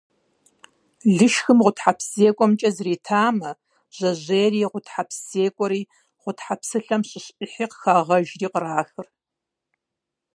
Лышхым гъутхьэпсзекӏуэмкӏэ зритамэ, жьэжьейри, гъутхьэпсзекӏуэри, гъутхьэпсылъэм щыщ ӏыхьи къыхагъэжри кърахыр.